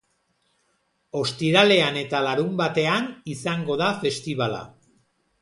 Ostiralean eta larunbatean izango da festibala.